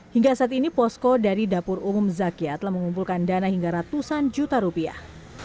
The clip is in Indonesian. hingga saat ini posko dari dapur umum zakia telah mengumpulkan dana hingga ratusan juta rupiah